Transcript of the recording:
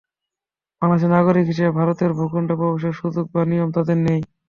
বাংলাদেশের নাগরিক হিসেবে ভারতের ভূখণ্ডে প্রবেশের সুযোগ বা নিয়ম তাঁদের নেই।